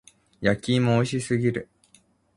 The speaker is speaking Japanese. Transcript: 焼き芋美味しすぎる。